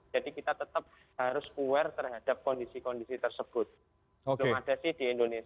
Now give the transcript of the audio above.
jadi kita tetap harus aware terhadap kondisi kondisi tersebut